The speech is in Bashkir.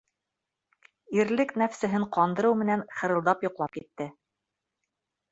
Ирлек нәфсеһен ҡандырыу менән хырылдап йоҡлап китте.